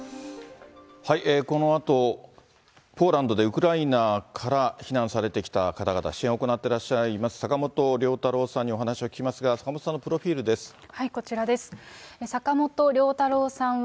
このあと、ポーランドで、ウクライナから避難されてきた方々、支援を行ってらっしゃいます、坂本龍太朗さんにお話を聞きますが、坂本さんのプロフィールです。